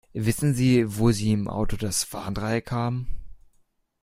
Wissen Sie, wo Sie im Auto das Warndreieck haben?